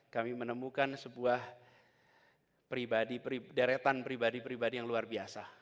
kami menemukan sebuah deretan pribadi pribadi yang luar biasa